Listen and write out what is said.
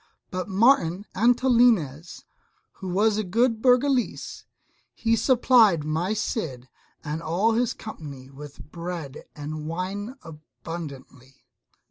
But Martin Antolinez, who was a good Burgalese, he supplied my Cid and all his company with bread and wine abundantly.